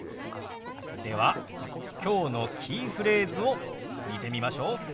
ではきょうのキーフレーズを見てみましょう。